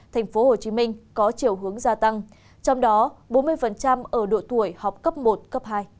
tp hcm có chiều hướng gia tăng trong đó bốn mươi ở độ tuổi học cấp một cấp hai